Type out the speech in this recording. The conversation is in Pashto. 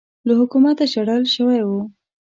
له حکومته شړل شوی و